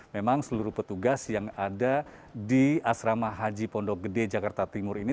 memang seluruh petugas yang ada di asrama haji pondok gede jakarta timur ini